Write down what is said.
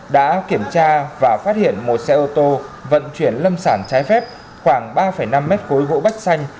đã kiểm tra và phát hiện một xe ô tô vận chuyển lâm sản trái phép khoảng ba năm mét khối gỗ bách xanh